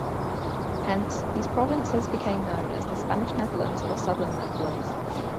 Hence, these provinces became known as the Spanish Netherlands or Southern Netherlands.